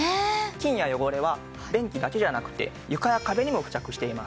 菌や汚れは便器だけじゃなくて床や壁にも付着しています。